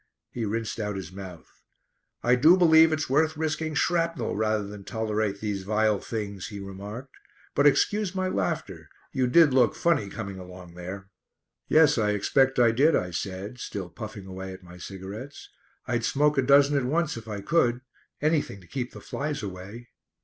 He rinsed out his mouth. "I do believe it's worth risking shrapnel rather than tolerate these vile things!" he remarked. "But excuse my laughter; you did look funny coming along there." "Yes, I expect I did," I said, still puffing away at my cigarettes. "I'd smoke a dozen at once if I could. Anything to keep the flies away."